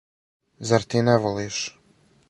Зар ти не волиш?